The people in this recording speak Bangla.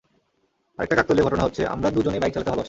আরেকটা কাকতালীয় ঘটনা হচ্ছে, আমরা দুজনেই বাইক চালাতে ভালবাসি।